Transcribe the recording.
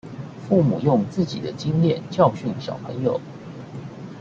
父母用自己的經驗教訓小朋友